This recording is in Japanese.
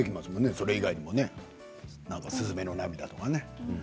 それ以外にもねスズメの涙とかね。